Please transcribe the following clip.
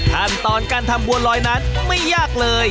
ขั้นตอนการทำบัวลอยนั้นไม่ยากเลย